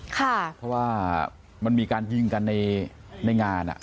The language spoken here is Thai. ค่ะเพราะว่ามันมีการยิงกันในในงานอ่ะ